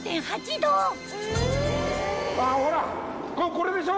℃ほらこれでしょ？